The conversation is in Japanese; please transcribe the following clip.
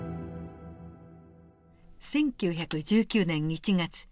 １９１９年１月。